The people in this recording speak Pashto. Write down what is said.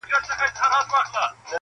غرڅه هغو پښو له پړانګه وو ژغورلی -